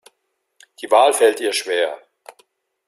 Die Wahl fällt ihr schwer.